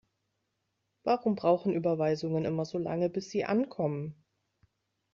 Warum brauchen Überweisungen immer so lange, bis sie ankommen?